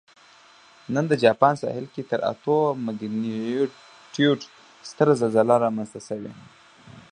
نن د جاپان ساحل کې تر اتو مګنیټیوډ ستره زلزله رامنځته شوې